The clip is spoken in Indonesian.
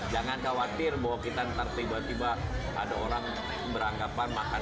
jangan khawatir bahwa kita ntar tiba tiba ada orang beranggapan makan